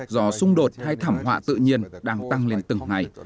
do xung đột hay thảm họa tự nhiên đang tăng lên từng ngày